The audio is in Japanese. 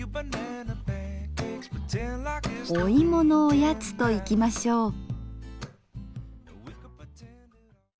お芋のおやつといきましょう。